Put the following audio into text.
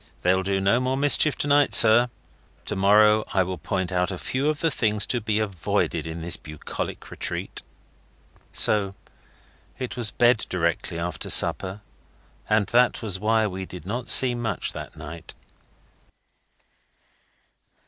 They'll do no more mischief to night, sir. To morrow I will point out a few of the things to be avoided in this bucolic retreat.' So it was bed directly after supper, and that was why we did not see much that night.